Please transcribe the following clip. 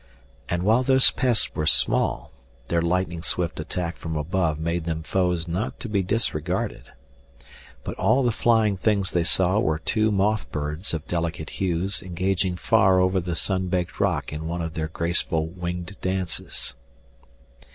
And while those pests were small, their lightning swift attack from above made them foes not to be disregarded. But all the flying things he saw were two moth birds of delicate hues engaging far over the sun baked rock in one of their graceful winged dances.